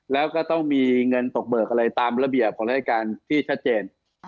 แล้วก็ต้องมีเงินตกเบิกอะไรตามระเบียบของรายการที่ชัดเจน